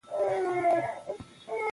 قانون د اداري پرېکړو د اعتبار معیار دی.